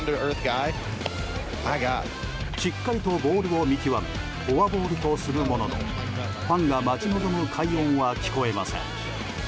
しっかりとボールを見極めフォアボールとするもののファンが待ち望む快音は聞こえません。